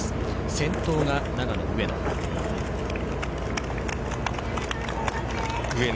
先頭が長野の上野。